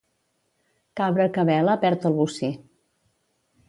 Cabra que bela perd el bocí.